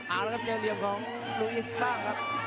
อ่าแล้วก็ครับแนวเหลี่ยมของลูอีสบ้างครับ